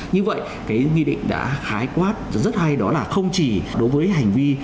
như vậy cái nghị định đã khái quát rất hay đó là không chỉ đối với hành vi